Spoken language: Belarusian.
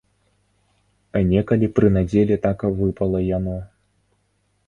Некалі пры надзеле так выпала яно.